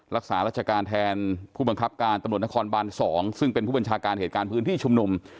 รักษารัชการแทนผู้บังคับการตำรวจนครบาน๒ซึ่งเป็นผู้บัญชาการเหตุการณ์พื้นที่ชุมนุม